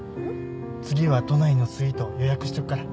次は都内のスイート予約しとくから。